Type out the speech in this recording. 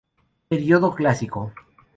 Período Clásico.